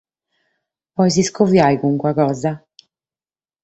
Podes iscobiare carchi cosa?